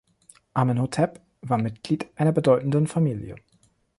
Amenhotep war Mitglied einer bedeutenden Familie.